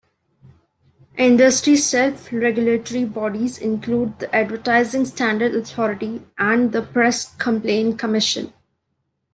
Industry self-regulatory bodies include the Advertising Standards Authority and the Press Complaints Commission.